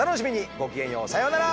ごきげんようさようなら。